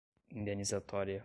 indenizatória